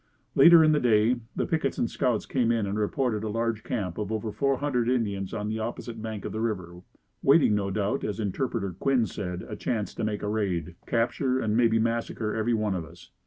Later in the day, the pickets and scouts came in and reported a large camp of over four hundred Indians on the opposite bank of the river, waiting, no doubt, as Interpreter Quinn said, a chance to make a raid, capture and maybe massacre everyone of us.